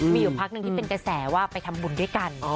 มีอยู่ภักดิษฐ์ที่เป็นแก่แสว่าไปทำบุญด้วยกัน